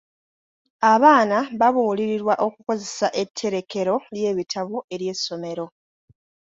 Abaana baabuulirirwa okukozesa etterekero ly'ebitabo ery'essomero.